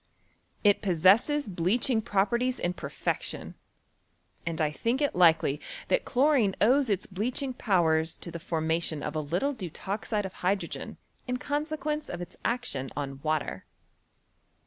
It possesses bleaching properties in perfection, and I diink it likely that chlorine owes its bleaching powers to the formation of a little deutoxide of hy drogen in consequence of its action on water.